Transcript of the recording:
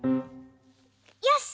よし！